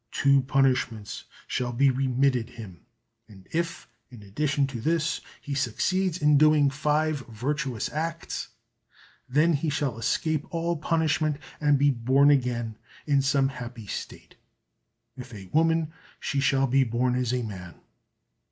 Two punishments shall be remitted him. And if, in addition to this, he succeeds in doing five virtuous acts, then he shall escape all punishment and be born again in some happy state if a woman she shall be born as a man.